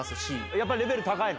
やっぱりレベルが高いの？